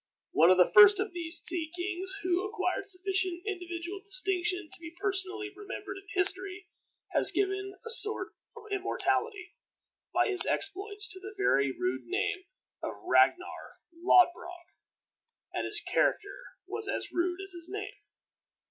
One of the first of these sea kings who acquired sufficient individual distinction to be personally remembered in history has given a sort of immortality, by his exploits, to the very rude name of Ragnar Lodbrog, and his character was as rude as his name.